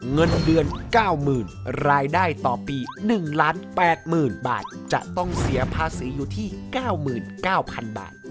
เงินเดือน๙๐๐๐รายได้ต่อปี๑๘๐๐๐บาทจะต้องเสียภาษีอยู่ที่๙๙๐๐บาท